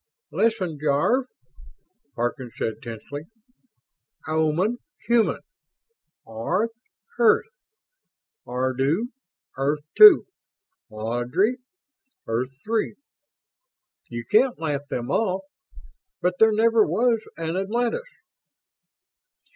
"Listen, Jarve!" Harkins said, tensely. "Oman human. Arth Earth. Ardu Earth Two. Ardry Earth Three. You can't laugh them off ... but there never was an Atlantis!"